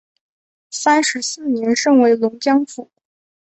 三十四年升为龙江府。